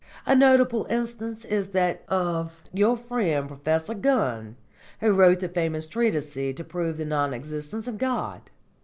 A notable instance is that of your friend Professor Gunn, who wrote the famous treatise to prove the non existence of God.